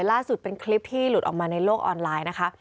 ล่าสุดเป็นคลิปที่หลุดออกมาในโลกออนไลน์นะคะ